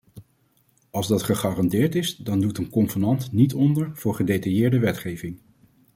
Als dat gegarandeerd is, dan doet een convenant niet onder voor gedetailleerde wetgeving.